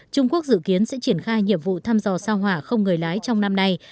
trung quốc dự kiến sẽ triển khai nhiệm vụ thăm dò sao hỏa không người lái trong năm nay